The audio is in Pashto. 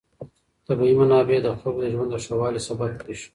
طبیعي منابع د خلکو د ژوند د ښه والي سبب کېږي.